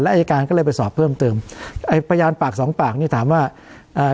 อายการก็เลยไปสอบเพิ่มเติมไอ้พยานปากสองปากนี่ถามว่าเอ่อ